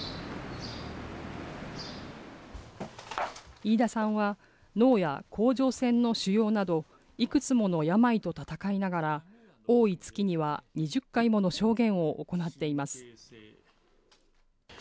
飯田さんは、脳や甲状腺の腫瘍など、いくつもの病と闘いながら、多い月には２０回もの証言を行っています。